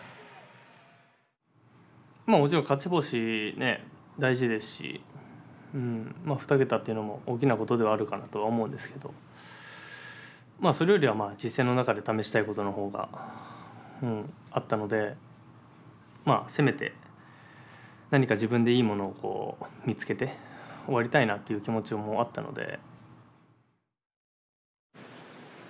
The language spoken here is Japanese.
もちろん勝ち星大事ですし２桁っていうのも大きなことではあるかなとは思うんですけどそれよりは実戦の中で試したいことの方があったのでせめて何か自分でいいものを見つけて終わりたいなっていう気持ちもあったので。